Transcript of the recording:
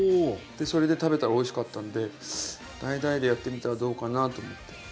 それで食べたらおいしかったんでダイダイでやってみたらどうかなと思って。